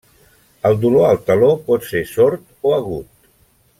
El dolor al taló pot ser sord o agut.